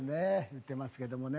いうてますけどもね。